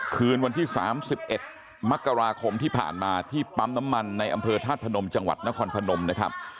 คืนวันที่๓๑มกราคมที่ผ่านมาที่ปั๊มน้ำมันในอำเภอธาตุพนมจังหวัดนครพนมนะครับ